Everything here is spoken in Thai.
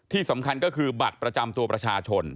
ที่สำคัญก็คือบัตรประจำตัวประชาชน